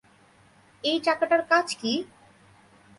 এই চাকাটার কাজ কী?